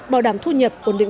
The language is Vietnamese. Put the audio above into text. bảo đảm thu nhập ổn định đời sống